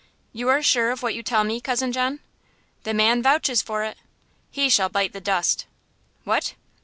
"You are sure of what you tell me, Cousin John?" "The man vouches for it!" "He shall bite the dust!" "What?"